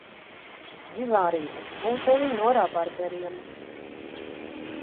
Izvārīju uzpūteni no rabarberiem.